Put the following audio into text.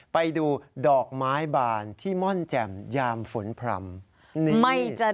ไปดูดอกไม้บานที่ม่อนแจ่มยามฝนพร่ำ